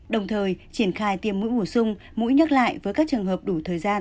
đồng thời triển khai tiêm mũi bổ sung mũi nhắc lại với các trường hợp đủ thời gian